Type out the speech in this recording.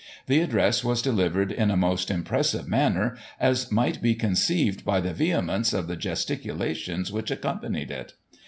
The address was delivered in a most impressive manner, as might be conceived by the vehemence of the gesticulations which ac companied it.